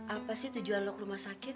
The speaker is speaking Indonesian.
apa sih tujuan lo ke rumah sakit